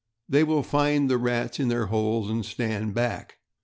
They will find the cats in their holes, and stand back.